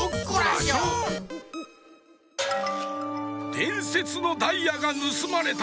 でんせつのダイヤがぬすまれた！